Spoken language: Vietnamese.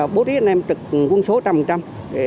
bố trí anh em trực quân số trăm trăm